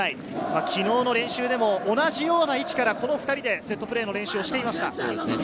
昨日の練習でも同じような位置から、この２人でセットプレーの練習をしていました。